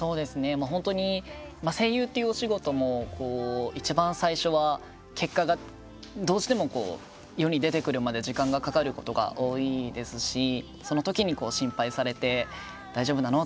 本当に声優っていうお仕事も一番最初は結果が、どうしても世に出てくるまで時間がかかることが多いですしそのときに心配されて大丈夫なの？